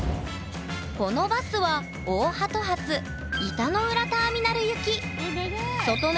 このバスは大波止発板の浦ターミナル行きわ長い。